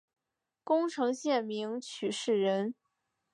宫城县名取市人。